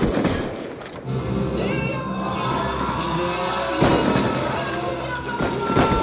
第２位は千原ジュニアさん。